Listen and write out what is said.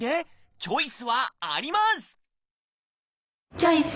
チョイス！